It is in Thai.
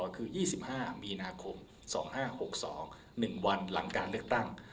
คือ๒๕มีนาคม๒๕๖๒๑วันหลังการเลือกตั้ง